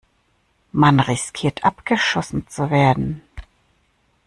Man riskiert, abgeschossen zu werden.